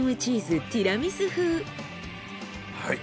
はい。